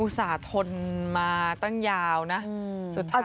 ส่าหนมาตั้งยาวนะสุดท้าย